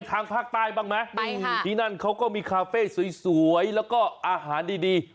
ทางภาคใต้บ้างไหมที่นั่นเขาก็มีคาเฟ่สวยแล้วก็อาหารดี